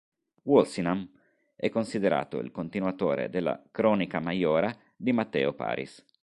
Walsingham è considerato il continuatore della "Chronica Majora" di Matteo Paris.